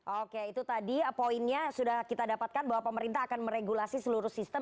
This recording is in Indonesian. oke itu tadi poinnya sudah kita dapatkan bahwa pemerintah akan meregulasi seluruh sistem